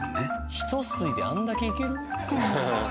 ひと吸いであんだけいける？